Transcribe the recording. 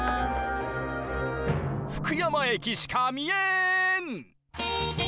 福山駅しか見えん！